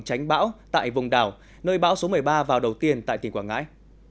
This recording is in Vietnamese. tránh bão tại vùng đảo nơi bão số một mươi ba vào đầu tiên tại tỉnh quảng ngãi